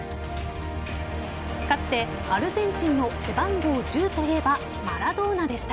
かつて、アルゼンチンの背番号１０といえばマラドーナでした。